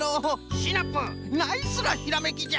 シナプーナイスなひらめきじゃ。